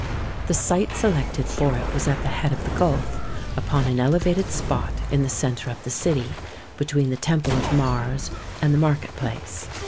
The site selected for it was at the head of the gulf, upon an elevated spot in the centre of the city, between the temple of Mars and the market place.